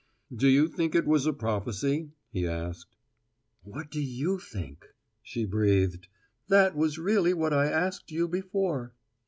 "Do you think it was a prophecy?" he asked. "What do you think?" she breathed. "That was really what I asked you before."